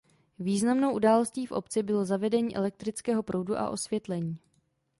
Významnou událostí v obci bylo zavedení elektrického proudu a osvětlení.